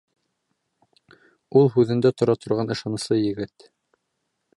Ул һүҙендә тора торған ышаныслы егет!